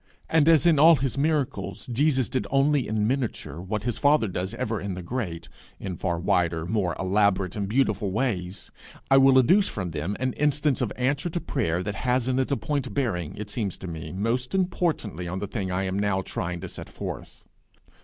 And as in all his miracles Jesus did only in miniature what his Father does ever in the great in far wider, more elaborate, and beautiful ways, I will adduce from them an instance of answer to prayer that has in it a point bearing, it seems to me, most importantly on the thing I am now trying to set forth.